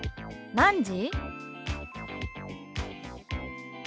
「何時？」。